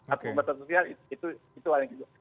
atau metode sosial itu hal yang gitu